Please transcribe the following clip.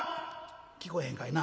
聞こえへんかいな。